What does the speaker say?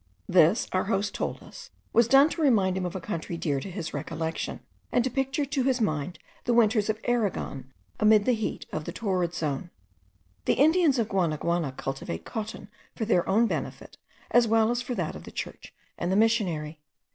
This, our host told us, was done to remind him of a country dear to his recollection, and to picture to his mind the winters of Aragon amid the heat of the torrid zone. The Indians of Guanaguana cultivate cotton for their own benefit as well as for that of the church and the missionary.